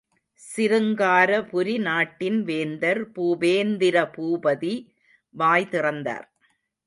சிருங்காரபுரி நாட்டின் வேந்தர் பூபேந்திரபூபதி வாய் திறந்தார்.